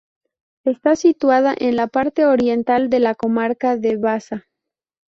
Está situada en la parte oriental de la comarca de Baza.